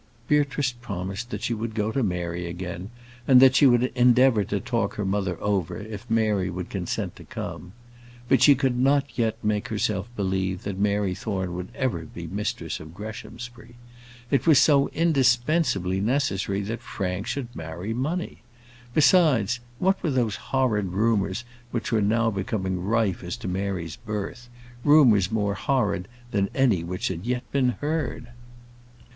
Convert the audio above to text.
Beatrice promised that she would go to Mary again, and that she would endeavour to talk her mother over if Mary would consent to come. But she could not yet make herself believe that Mary Thorne would ever be mistress of Greshamsbury. It was so indispensably necessary that Frank should marry money! Besides, what were those horrid rumours which were now becoming rife as to Mary's birth; rumours more horrid than any which had yet been heard?